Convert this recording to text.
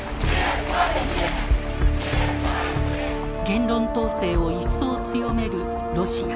言論統制を一層強めるロシア。